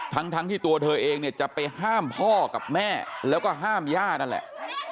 ทั้งที่ตัวเธอเองเนี่ยจะไปห้ามพ่อกับแม่แล้วก็ห้ามย่านั่นแหละ